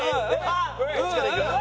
どっちからいく？